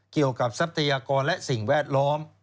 เกี่ยวกับทรัพยากรและสิ่งแวดล้อม